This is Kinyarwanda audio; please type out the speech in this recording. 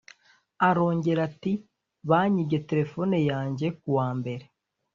Arongera ati “Banyibye telefone yanjye ku wa Mbere